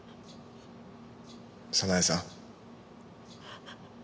早苗さん。